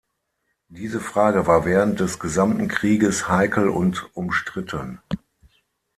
Diese Frage war während des gesamten Krieges heikel und umstritten.